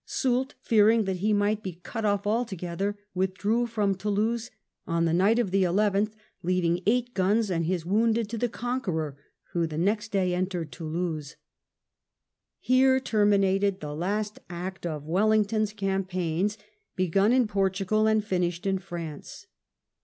Soult, fearing that he might be cut off altogether, with drew from Toulouse on the night of the 11th, leaving eight guns and his wounded to the conqueror, who the next day entered Toulouse. Here terminated the last act of Wellington's cam paigns, begun in Portugal and finished in France.